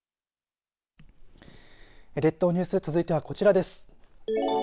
列島ニュース続いてはこちらです。